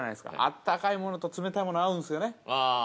あったかいものと冷たいもの合うんですよね。